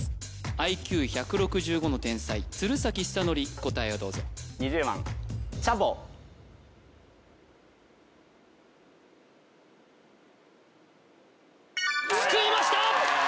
ＩＱ１６５の天才・鶴崎修功答えをどうぞ救いました！